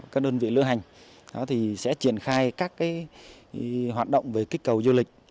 các đơn vị lữ hành sẽ triển khai các hoạt động về kích cầu du lịch